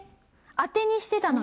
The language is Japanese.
当てにしてたのに。